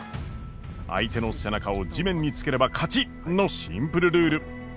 相手の背中を地面につければ勝ちのシンプルルール。